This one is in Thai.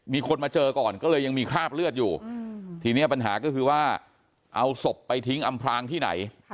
มีคนมาเจอก่อนก็เลยยังมีคราบเลือดอยู่ทีนี้ปัญหาก็คือว่าเอาศพไปทิ้งอำพลางที่ไหน